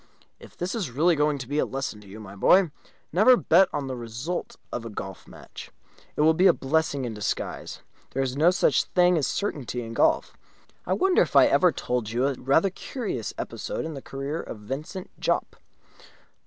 "If this is really going to be a lesson to you, my boy, never to bet on the result of a golf match, it will be a blessing in disguise. There is no such thing as a certainty in golf. I wonder if I ever told you a rather curious episode in the career of Vincent Jopp?"